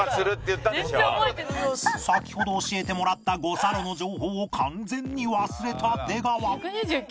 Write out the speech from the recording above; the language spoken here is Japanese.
先ほど教えてもらった五差路の情報を完全に忘れた出川